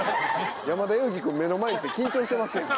山田裕貴君目の前にして緊張してますやん。